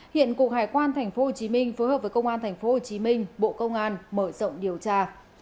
hiện cục hải quan tp hcm phối hợp với công an tp hcm bộ công an mở rộng điều tra